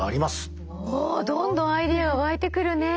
どんどんアイデアが湧いてくるね。